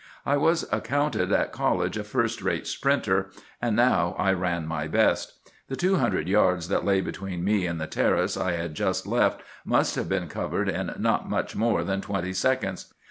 I was accounted at college a first rate sprinter, and now I ran my best. The two hundred yards that lay between me and the terrace I had just left must have been covered in not much more than twenty seconds.